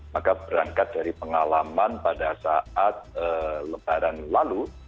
maka berangkat dari pengalaman pada saat lebaran lalu